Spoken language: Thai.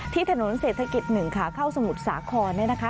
ที่ถนนเศรษฐกิจ๑ค่ะเข้าสมุทรสาขรนะคะ